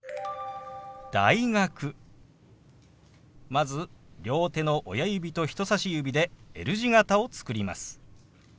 まず両手の親指と人さし指でＬ字形を作ります。